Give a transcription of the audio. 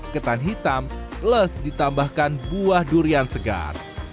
ketan hitam plus ditambahkan buah durian segar